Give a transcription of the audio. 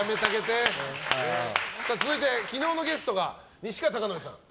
続いて昨日のゲストが西川貴教さん。